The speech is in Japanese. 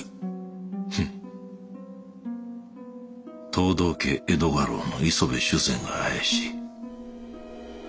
フンッ藤堂家江戸家老の磯部主膳が怪しい。